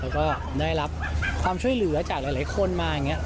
แล้วก็ได้รับความช่วยเหลือจากหลายคนมาอย่างนี้